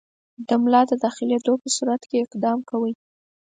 د ملا د داخلېدلو په صورت کې اقدام کوئ.